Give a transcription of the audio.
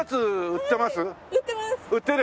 売ってます！